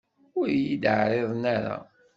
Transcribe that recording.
Ur iyi-d-ɛriḍen ara.